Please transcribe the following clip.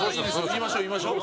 言いましょう言いましょう。